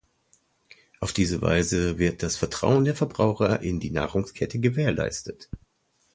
Auf diese Weise wird das Vertrauen der Verbraucher in die Nahrungskette gewährleistet.